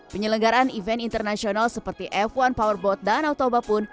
penyelenggaraan event internasional seperti f satu powerboat danau toba pun